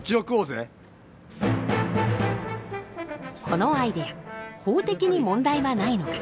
このアイデア法的に問題はないのか。